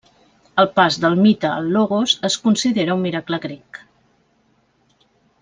El pas del mite al logos es considera un miracle grec.